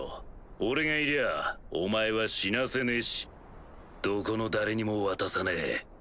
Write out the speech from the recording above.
俺がいりゃあお前は死なせねぇしどこの誰にも渡さねぇ。